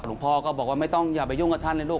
หลวงพ่อก็บอกว่าไม่ต้องอย่าไปยุ่งกับท่านเลยลูก